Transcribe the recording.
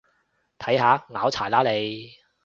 睇下，拗柴喇你